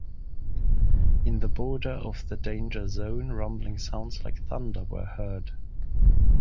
In the border of the danger zone, rumbling sounds like thunder were heard.